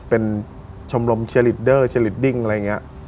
เป็นชมรมเชียร์ลีดเดอร์เชียร์ลีดดิ้งอะไรอย่างเงี้ย